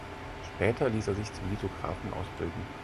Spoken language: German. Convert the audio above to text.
Später ließ er sich zum Lithografen ausbilden.